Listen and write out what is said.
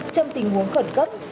trong tình huống khẩn cấp